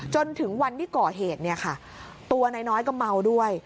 จนถึงวันที่ก่อเหตุเนี่ยค่ะตัวนายน้อยก็เมาด้วย